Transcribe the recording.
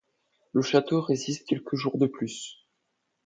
Le château résiste quelques jours de plus.